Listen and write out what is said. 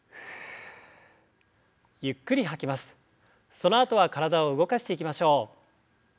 そのあとは体を動かしていきましょう。